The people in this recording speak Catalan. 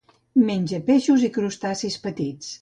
Menja peixos i crustacis petits.